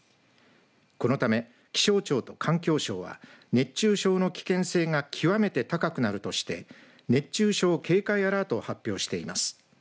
このため気象庁と環境省は熱中症の危険性が極めて高くなるとして熱中症警戒アラートを発表しています。